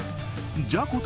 じゃこと